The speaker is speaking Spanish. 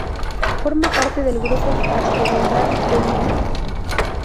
Forma parte del grupo asteroidal de Hilda.